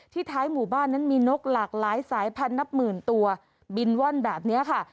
ท้ายหมู่บ้านนั้นมีนกหลากหลายสายพันธนับหมื่นตัวบินว่อนแบบนี้ค่ะ